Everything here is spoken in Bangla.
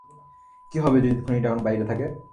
কি হবে যদি খুনি টা এখনো বাইরে থাকে?